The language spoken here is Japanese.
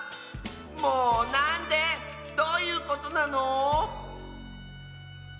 もうなんで⁉どういうことなの？